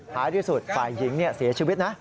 ท้ายที่สุดฝ่ายหญิงเสียชีวิตนะ